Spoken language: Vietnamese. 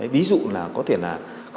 ví dụ là có thể là